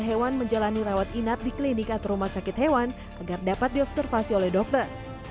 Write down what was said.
hewan menjalani rawat inap di klinik atau rumah sakit hewan agar dapat diobservasi oleh dokter